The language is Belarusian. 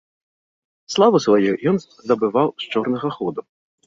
Славу сваю ён здабываў з чорнага ходу.